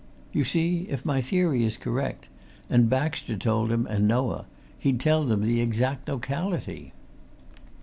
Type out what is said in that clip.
You see, if my theory is correct, and Baxter told him and Noah, he'd tell them the exact locality."